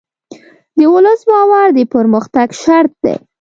د ولس باور د پرمختګ شرط دی.